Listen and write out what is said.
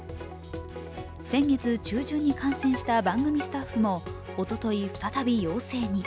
先月中旬に感染した番組スタッフもおととい、再び陽性に。